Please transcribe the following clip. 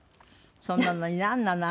それなのになんなの？